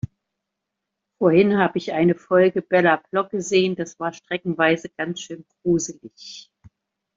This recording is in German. Vorhin habe ich eine Folge Bella Block gesehen, das war streckenweise ganz schön gruselig.